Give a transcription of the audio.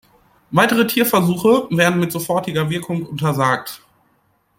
Weitere Tierversuche werden mit sofortiger Wirkung untersagt.